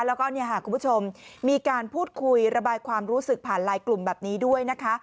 แล้วก็คุณผู้ชมมีการพูดคุยระบายความรู้สึกผ่านไลน์กลุ่มแบบนี้ด้วยนะคะ